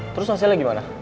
terus hasilnya gimana